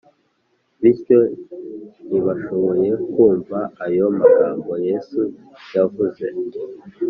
bityo ntibashoboye kumva ayo magambo yesu yavuze